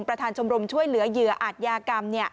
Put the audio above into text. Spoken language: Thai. ชมรมช่วยเหลือเหยื่ออาจยากรรม